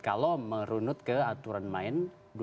kalau menurut ke aturan main dua ribu sembilan belas